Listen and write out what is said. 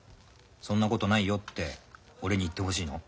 そんなことないよって俺に言ってほしいの？